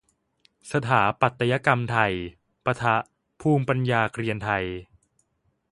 สถาปัตยกรรมไทย ปะทะ ภูมิปัญญาเกรียนไทย